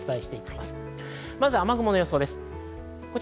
まずは雨雲の予想です。